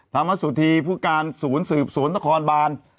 นามสุธีผู้การศูนย์สืบศูนย์ทครบาล